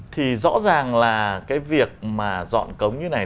thì rõ ràng là cái việc mà dọn cống như này